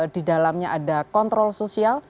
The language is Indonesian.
di dalamnya ada kontrol sosial